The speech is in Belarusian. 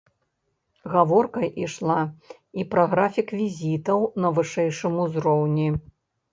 Гаворка ішла і пра графік візітаў на вышэйшым узроўні.